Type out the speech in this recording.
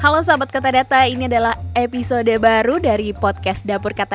dapur kata data podcast